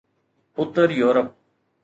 Uttar Europe